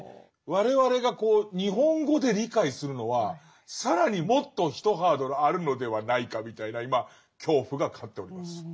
我々が日本語で理解するのは更にもっとひとハードルあるのではないかみたいな今恐怖が勝っております。